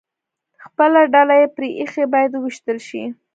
خپله ډله یې پرې ایښې، باید ووېشتل شي.